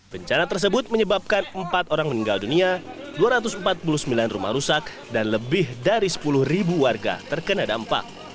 bencana tersebut menyebabkan empat orang meninggal dunia dua ratus empat puluh sembilan rumah rusak dan lebih dari sepuluh ribu warga terkena dampak